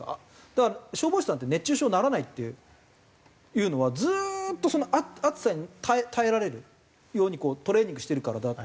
だから消防士さんって熱中症にならないっていうのはずーっと暑さに耐えられるようにトレーニングしてるからだと。